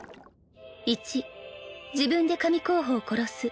１自分で神候補を殺す